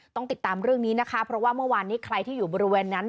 ต้องติดตามเรื่องนี้นะคะเพราะว่าเมื่อวานนี้ใครที่อยู่บริเวณนั้น